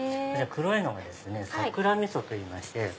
黒いのがさくらみそといいまして。